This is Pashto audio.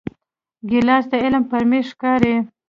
ګیلاس د علم پر میز ښکاري.